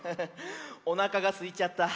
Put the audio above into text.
おなかがすいちゃった。